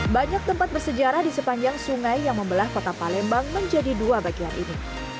banyak tempat bersejarah di sepanjang sungai yang membelah kota palembang menjadi dua bagian ini